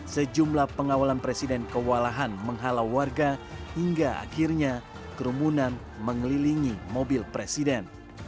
sejumlah pengawalan presiden kewalahan menghalau warga hingga akhirnya kerumunan mengelilingi mobil presiden